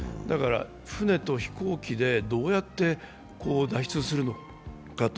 船と飛行機でどうやって脱出するのかと。